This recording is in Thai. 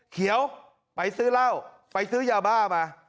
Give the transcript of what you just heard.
เขียวไปซื้อเหล้าไปซื้อยาบ้ามา